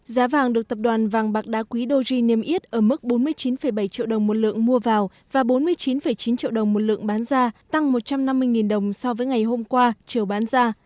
giá vàng được tập đoàn vàng bạc đá quý doji niêm yết ở mức bốn mươi chín bảy triệu đồng một lượng mua vào và bốn mươi chín chín triệu đồng một lượng bán ra tăng một trăm năm mươi đồng so với ngày hôm qua chiều bán ra